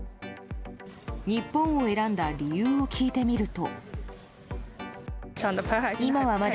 日本を選んだ理由を聞いてみると。